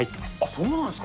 そうなんですか。